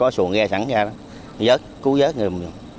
xuồng ghe sẵn ra đó cứu giết người